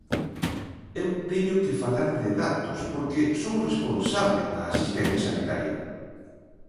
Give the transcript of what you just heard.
Eu teño que falar de datos porque son o responsable da asistencia sanitaria.